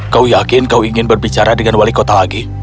kau yakin kau ingin berbicara dengan wali kota lagi